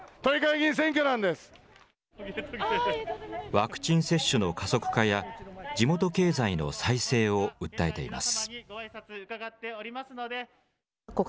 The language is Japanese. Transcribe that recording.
ワクチン接種の加速化や地元経済の再生を訴えています。